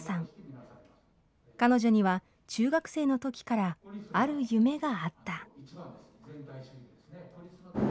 彼女には中学生の時からある夢があった。